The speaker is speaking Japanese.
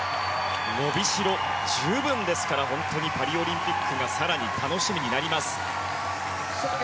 伸びしろ十分ですから本当にパリオリンピックが更に楽しみになります。